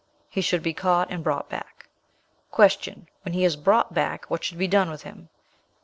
'He should be caught and brought back.' "Q. When he is brought back, what should be done with him?